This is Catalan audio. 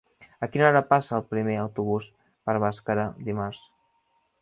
A quina hora passa el primer autobús per Bàscara dimarts?